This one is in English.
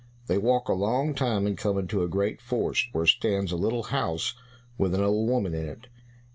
They walk a long time and come into a great forest, where stands a little house with an old woman in it.